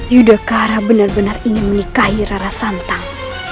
yudhokara benar benar ingin menikahi rara santang